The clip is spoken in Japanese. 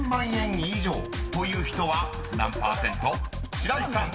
［白石さん］